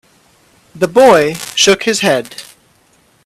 The boy shook his head.